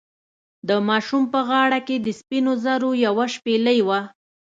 د ماشوم په غاړه کې د سپینو زرو یوه شپیلۍ وه.